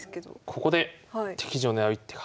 ここで敵陣を狙う一手が。